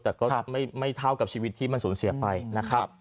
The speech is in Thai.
แต่ก็ไม่เท่ากับชีวิตที่มันสูญเสียไปนะครับ